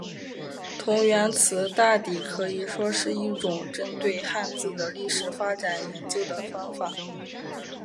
同源词大抵可以说是一种针对汉字的历史发展研究的方法。